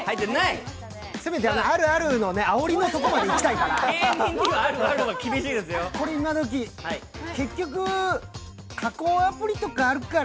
せめて、「あるある」のあおりのところまでいきたいから。